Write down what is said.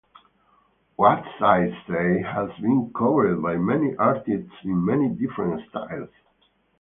"What'd I Say" has been covered by many artists in many different styles.